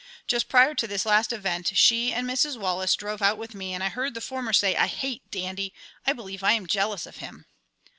Just prior to this last event, she and Mrs. Wallace drove out with me, and I heard the former say: "I hate Dandy, I believe I am jealous of him."